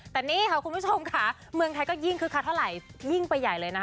แต่นี่ค่ะคุณผู้ชมค่ะเมืองไทยก็ยิ่งคึกคักเท่าไหร่ยิ่งไปใหญ่เลยนะคะ